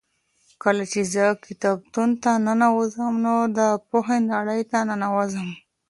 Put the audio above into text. کله چې زه کتابتون ته ننوځم نو د پوهې نړۍ ته ننوځم.